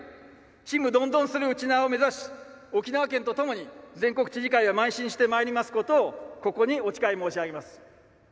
「ちむどんどんするうちなぁ」を目指し沖縄県とともに全国知事会はまい進してまいりますことをここにお誓い申し上げます。